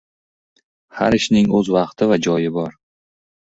• Har ishning o‘z vaqti va joyi bor.